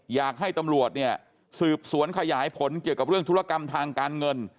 อยากให้ตำรวจเนี่ยสืบสวนขยายผลเกี่ยวกับเรื่องธุรกรรมทางการเงิน